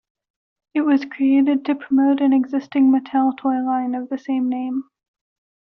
It was created to promote an existing Mattel toy line of the same name.